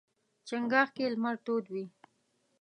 چنګاښ کې لمر تود وي.